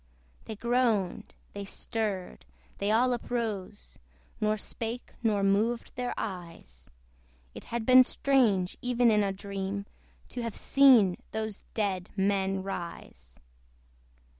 They groaned, they stirred, they all uprose, Nor spake, nor moved their eyes; It had been strange, even in a dream, To have seen those dead men rise.